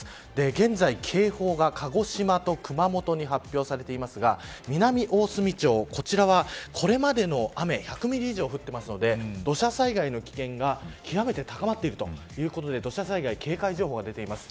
現在、警報が鹿児島と熊本に発表されていますが南大隅町こちらは、これまでの雨１００ミリ以上降っているので土砂災害の危険が極めて高まっているということで土砂災害警戒情報が出ています。